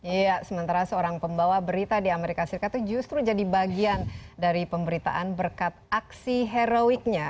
iya sementara seorang pembawa berita di amerika serikat itu justru jadi bagian dari pemberitaan berkat aksi heroiknya